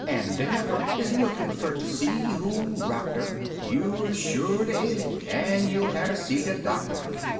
An' de heifer is lookin' fer ter see who rocked 'er; You er sholy ailin', an' you'll hatter see de doctor